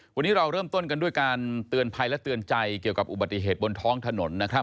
วันนี้เราเริ่มต้นกันด้วยการเตือนภัยและเตือนใจเกี่ยวกับอุบัติเหตุบนท้องถนนนะครับ